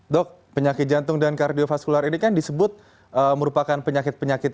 dok penyakit jantung dan kardiofaskular ini kan disebut merupakan penyakit penyakit